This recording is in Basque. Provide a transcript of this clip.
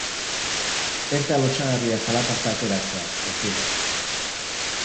Ez da lotsagarria zalaparta ateratzea, aizu.